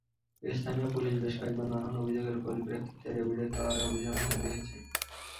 স্থানীয় পুলিশ বেশ কয়েকবার নানান অভিযোগের পরিপ্রেক্ষিতে ডেভিডের টাওয়ারে অভিযানও চালিয়েছে।